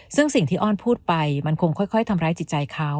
ซึ่งสิ่งที่อ้อนพูดไปมันคงค่อยทำร้ายจิตใจเขา